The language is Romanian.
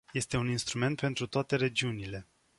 Este un instrument pentru toate regiunile.